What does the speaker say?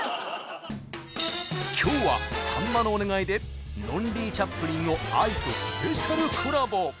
今日はさんまのお願いで「ロンリー・チャップリン」をＡＩとスペシャルコラボ！